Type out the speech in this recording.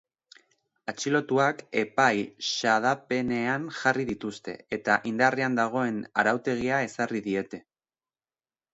Atxilotuak epai-xedapenean jarri dituzte, eta indarrean dagoen arautegia ezarri diete.